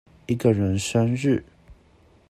一個人生日